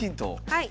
はい。